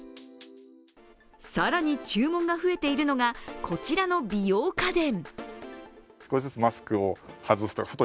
更に注文が増えているのがこちらの美容家電。